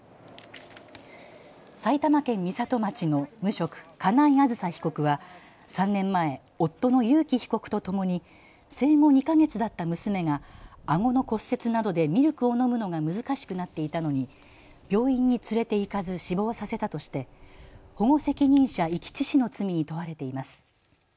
埼玉県美里町の無職、金井あずさ被告は３年前、夫の裕喜被告とともに生後２か月だった娘があごの骨折などでミルクを飲むのが難しくなっていたのに病院に連れて行かず死亡させたとして保護責任者遺棄致死の罪に問われています。